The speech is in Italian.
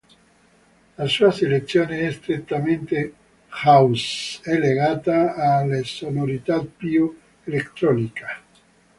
La sua selezione è strettamente House e legata alle sonorità più elettroniche.